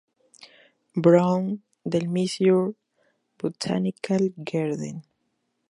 Brown, del Missouri Botanical Garden.